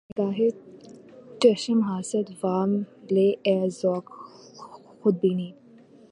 نگاۂ چشم حاسد وام لے اے ذوق خود بینی